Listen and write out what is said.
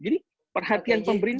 jadi perhatian pemerintah